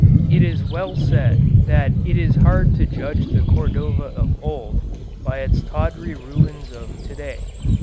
It is well said that it is hard to judge the Cordova of old by its tawdry ruins of to day.